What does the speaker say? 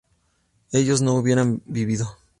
¿ellos no hubiesen vivido?